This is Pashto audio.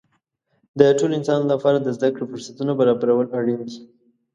د ټولو انسانانو لپاره د زده کړې فرصتونه برابرول اړین دي.